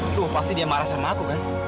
tuh pasti dia marah sama aku kan